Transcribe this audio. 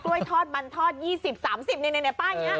กล้วยทอดบันทอด๒๐๓๐ในป้ายนี้